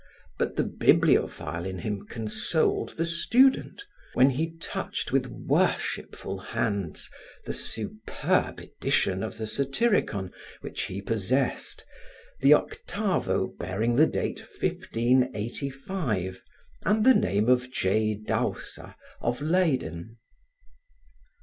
But the bibliophile in him consoled the student, when he touched with worshipful hands the superb edition of the Satyricon which he possessed, the octavo bearing the date 1585 and the name of J. Dousa of Leyden.